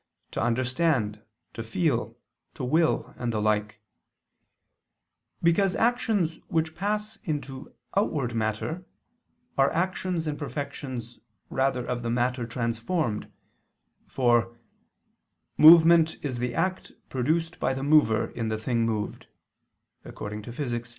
to understand, to feel, to will and the like: because actions which pass into outward matter, are actions and perfections rather of the matter transformed; for "movement is the act produced by the mover in the thing moved" (Phys. iii, 3).